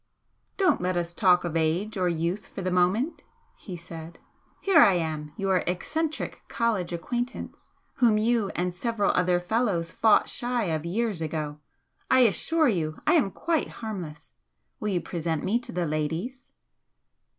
"Don't let us talk of age or youth for the moment" he said. "Here I am, your 'eccentric' college acquaintance whom you and several other fellows fought shy of years ago! I assure you I am quite harmless! Will you present me to the ladies?"